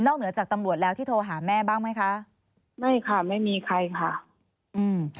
เหนือจากตำรวจแล้วที่โทรหาแม่บ้างไหมคะไม่ค่ะไม่มีใครค่ะอืม